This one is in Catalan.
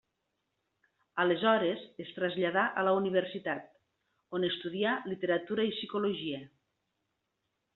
Aleshores es traslladà a la Universitat, on estudià literatura i psicologia.